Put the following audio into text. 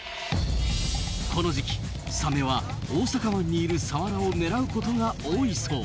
この時期サメは大阪湾にいるサワラを狙うことが多いそう。